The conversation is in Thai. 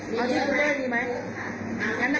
เขาบอกเปลี่ยนแล้วล่ะให้ทำใหม่ล่ะ